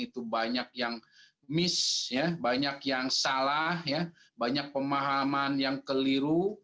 itu banyak yang miss banyak yang salah banyak pemahaman yang keliru